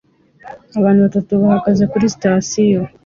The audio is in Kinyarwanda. Abantu batatu bahagaze kuri sitasiyo